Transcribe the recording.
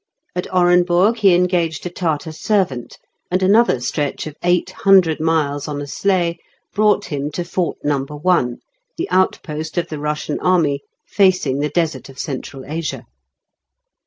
At Orenburg he engaged a Tartar servant, and another stretch of eight hundred miles on a sleigh brought him to Fort No. 1, the outpost of the Russian army facing the desert of Central Asia.